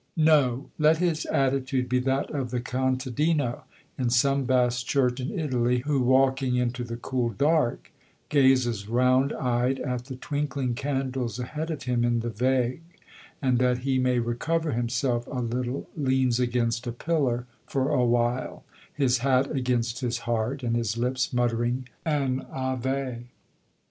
No! Let his attitude be that of the contadino in some vast church in Italy, who walking into the cool dark gazes round eyed at the twinkling candles ahead of him in the vague, and that he may recover himself a little leans against a pillar for a while, his hat against his heart and his lips muttering an Ave.